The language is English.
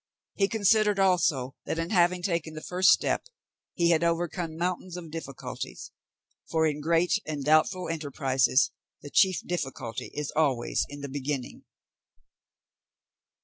He considered also, that in having taken the first step, he had overcome mountains of difficulties, for in great and doubtful enterprises the chief difficulty is always in the beginning.